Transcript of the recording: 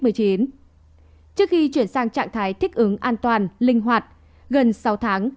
trước khi chuyển sang trạng thái thích ứng an toàn linh hoạt gần sáu tháng